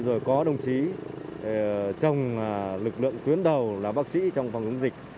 rồi có đồng chí trong lực lượng tuyến đầu là bác sĩ trong phòng chống dịch